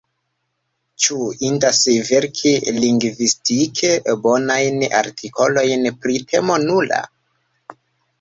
Ĉu indas verki lingvistike bonajn artikolojn pri temo nula?